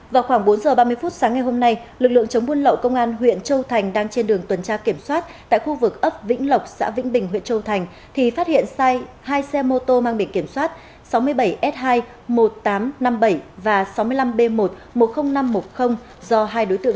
vào khoảng bốn giờ ba mươi phút sáng ngày hôm nay lực lượng chống buôn lậu công an huyện châu thành đang trên đường tuần tra kiểm soát tại khu vực ấp vĩnh lộc xã vĩnh bình huyện châu thành thì phát hiện sai hai xe mô tô mang biển kiểm soát sáu mươi bảy s hai một nghìn tám trăm năm mươi bảy và sáu mươi năm b một một mươi nghìn năm trăm một mươi do hai đối tượng